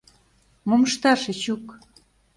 Мом ышташ, Эчук?